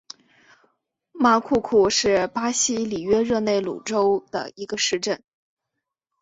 马库库是巴西里约热内卢州的一个市镇。